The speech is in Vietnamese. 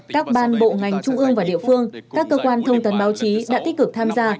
các ban bộ ngành trung ương và địa phương các cơ quan thông tấn báo chí đã tích cực tham gia